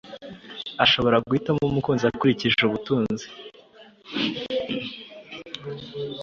ashobora guhitamo umukunzi akurikije ubutunzi,